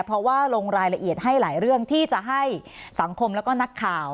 เพราะว่าลงรายละเอียดให้หลายเรื่องที่จะให้สังคมแล้วก็นักข่าว